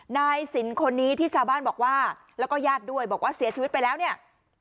นายสินคนนี้ที่ชาวบ้านบอกว่าแล้วก็ญาติด้วยบอกว่าเสียชีวิตไปแล้วเนี่ย